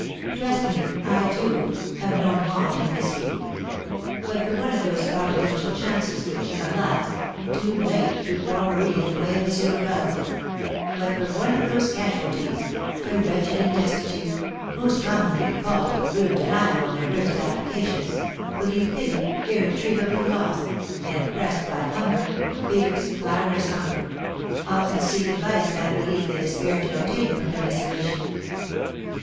Trust me, I, too, have known want and misery. But for one of those providential chances which, alas! too late, threw poor Marie in the way of M. Rodolph, but for one of those casualties, the wretched and destitute, most commonly repulsed with rude denial on their first applications, believe pity irretrievably lost, and, pressed by hunger, fierce, clamorous hunger, often seek in vice that relief they despair to obtain from commiseration."